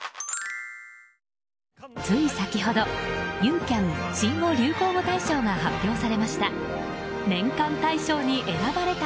つい先ほどユーキャン新語・流行語大賞が発表されました。